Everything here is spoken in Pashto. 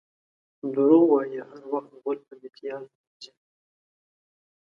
دروغ وایي؛ هر وخت غول په میتیازو مینځي.